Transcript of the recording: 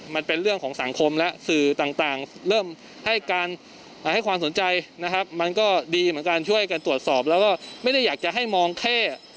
มันเป็นเรื่องของสังคมและสื่อต่างเริ่มให้การให้ความสนใจนะครับมันก็ดีเหมือนกันช่วยกันตรวจสอบแล้วก็ไม่ได้อยากจะให้มองแค่